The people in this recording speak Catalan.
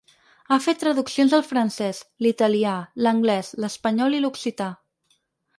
Ha fet traduccions del francès, l’italià, l’anglès, l’espanyol i l’occità.